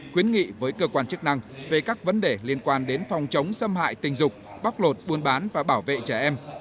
khuyến nghị với cơ quan chức năng về các vấn đề liên quan đến phòng chống xâm hại tình dục bóc lột buôn bán và bảo vệ trẻ em